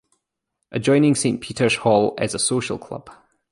Adjoining Saint Peter's Hall is a social club.